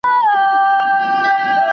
¬ خپل گور هر چا ته تنگ ښکاري.